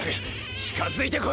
近づいてこい。